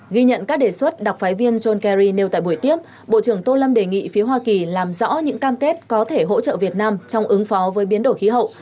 ghi nhận các đề xuất đặc phái viên john kerry nêu tại buổi tiếp bộ trưởng tô lâm đề nghị phía hoa kỳ làm rõ những cam kết có thể hỗ trợ việt nam trong ứng phó với biến đổi khí hậu